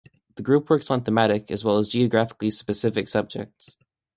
The group works on thematic as well as geographically specific subjects.